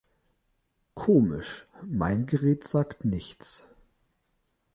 Komisch, mein Gerät sagt nichts.